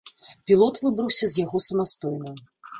Пілот выбраўся з яго самастойна.